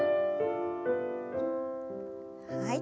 はい。